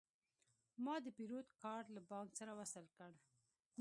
ما د پیرود کارت له بانک سره وصل کړ.